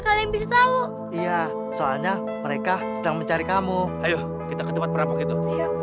kalian bisa iya soalnya mereka sedang mencari kamu ayo kita ke tempat perampok itu